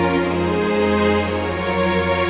jangan mas said